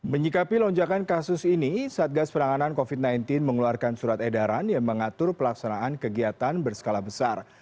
menyikapi lonjakan kasus ini satgas penanganan covid sembilan belas mengeluarkan surat edaran yang mengatur pelaksanaan kegiatan berskala besar